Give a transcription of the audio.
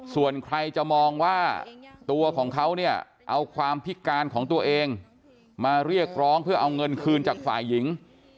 ส่วนใครจะมองว่าตัวของเขาเนี่ยเอาความพิการของตัวเองมาเรียกร้องเพื่อเอาเงินคืนจากฝ่ายหญิง